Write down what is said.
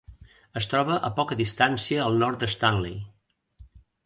Es troba a poca distància al nord d'Stanley.